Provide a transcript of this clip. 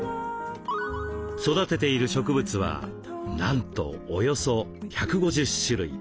育てている植物はなんとおよそ１５０種類。